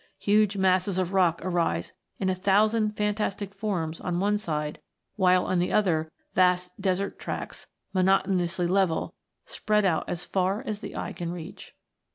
Huge masses of rock arise in a thousand fantastic forms on one side, while on the other vast desert tracts, monotonously level, spread out as far as the eye can reach.